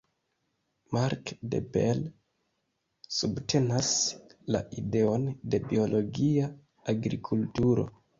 Marc De Bel subtenas la ideon de biologia agrikulturo.